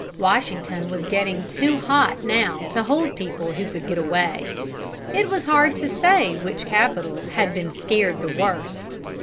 Washington was getting too hot now to hold people who could get away. It was hard to say which capital had been scared the worst.